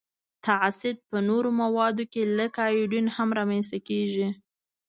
تصعید په نورو موادو کې لکه ایودین هم را منځ ته کیږي.